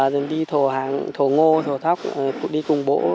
đi thổ hàng thổ ngô thổ thóc cũng đi cùng bố